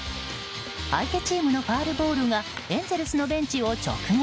相手チームのファウルボールがエンゼルスのベンチを直撃。